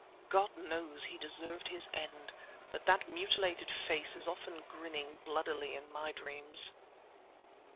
God knows he deserved his end; but that mutilated face is often grinning, bloodily, in my dreams.